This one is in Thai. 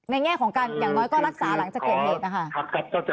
ในแง่ของการอย่างน้อยก็รักษาหลังจากกรรมเนต